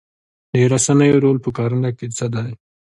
د رسنیو رول په کرنه کې څه دی؟